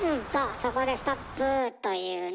そこでストップというね。